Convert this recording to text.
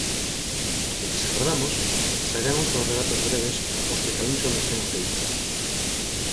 Mentres agardamos, sairán outros relatos breves aos que Caruncho nos ten afeitas.